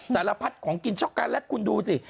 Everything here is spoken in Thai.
สารพัดของกินช็อกโกแลตคุณดูสิ